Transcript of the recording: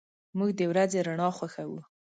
موږ د ورځې رڼا خوښو.